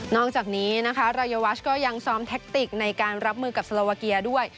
อกจากนี้นะคะรายวัชก็ยังซ้อมแท็กติกในการรับมือกับสโลวาเกียด้วย